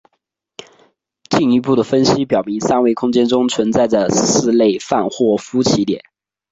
进一步的分析表明三维空间中存在着四类范霍夫奇点。